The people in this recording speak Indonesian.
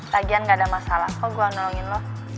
tagian gak ada masalah kok gue nolongin lo